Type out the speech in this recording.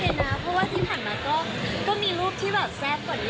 เพราะว่าที่ผ่านมาก็มีรูปที่แบบแซ่บกว่านี้